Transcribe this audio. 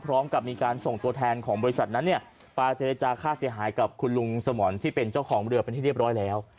พร้อมกับมีการส่งตัวแทนของบริษัทนั้นเนี่ยมาเจรจาค่าเสียหายกับคุณลุงสมรที่เป็นเจ้าของเรือเป็นที่เรียบร้อยแล้ว